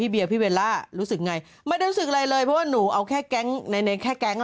เออเอออีอ